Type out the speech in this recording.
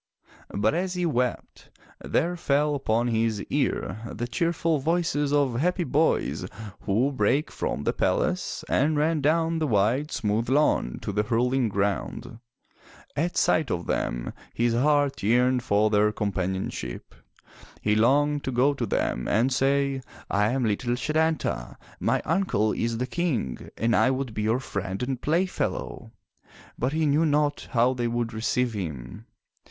But as he wept, there fell upon his ear the cheerful voices of ^ A rounded or conical heap of stones erected as a memorial. 400 FROM THE TOWER WINDOW happy boys who brake from the palace and ran down the wide, smooth lawn to the hurling ground. At sight of them, his heart yearned for their companionship. He longed to go to them and say, "I am little Setanta. My uncle is the King and I would be your friend and playfellow!'* But he knew not how they would receive him.